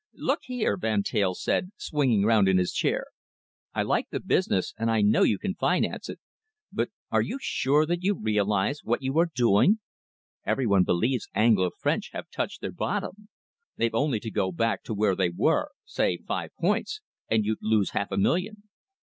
"Look here," Van Teyl said, swinging round in his chair, "I like the business and I know you can finance it, but are you sure that you realise what you are doing? Every one believes Anglo French have touched their bottom. They've only to go back to where they were say five points and you'd lose half a million."